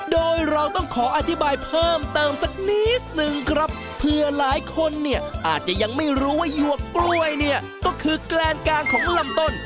โดยเราต้องขออธิบายเพิ่มเติมสักนิดนึงครับเผื่อหลายคนเนี่ยอาจจะยังไม่รู้ว่าหยวกกล้วยเนี่ยก็คือแกลนกลางของลำต้น